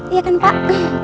iya kan pak